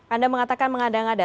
anda mengatakan mengada ada